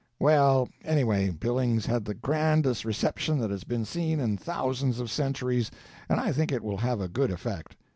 Well, anyway, Billings had the grandest reception that has been seen in thousands of centuries, and I think it will have a good effect.